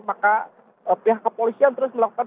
maka pihak kepolisian terus melakukan